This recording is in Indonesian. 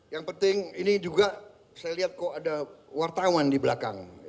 yang penting ini juga saya lihat kok ada wartawan di belakang